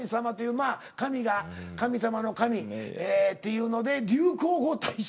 まあ「かみ」が神様の「神」っていうので流行語大賞。